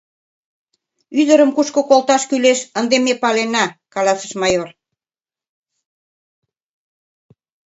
Ӱдырым кушко колташ кӱлеш, ынде ме палена, — каласыш майор.